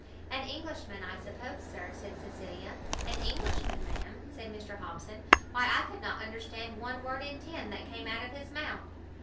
"An Englishman, I suppose, Sir," said Cecilia. "An Englishman, ma'am!" said Mr Hobson, "why I could not understand one word in ten that came out of his mouth."